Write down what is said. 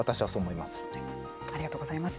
ありがとうございます。